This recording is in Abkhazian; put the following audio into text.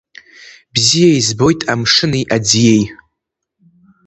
Бзиа избоит амшыни аӡиеи.